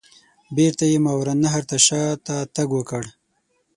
بیرته یې ماوراء النهر ته شاته تګ وکړ.